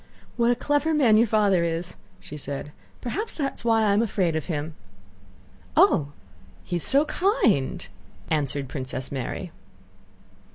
"What a clever man your father is," said she; "perhaps that is why I am afraid of him." "Oh, he is so kind!" answered Princess Mary.